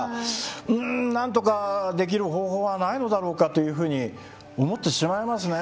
うんなんとかできる方法はないのだろうかというふうに思ってしまいますね。